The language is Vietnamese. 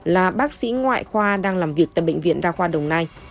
là bác sĩ ngoại khoa đang làm việc tại bệnh viện đa khoa đồng nai